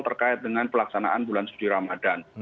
terkait dengan pelaksanaan bulan suci ramadan